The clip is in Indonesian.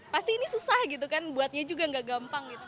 pasti ini susah gitu kan buatnya juga gak gampang gitu